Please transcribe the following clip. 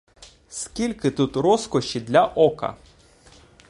Скільки тут розкоші для ока.